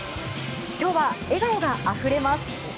今日は笑顔があふれます。